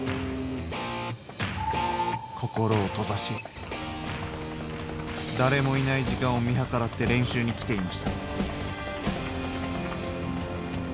心を閉ざし、誰もいない時間を見計らって練習に来ていました。